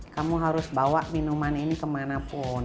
kamu harus bawa minuman ini kemanapun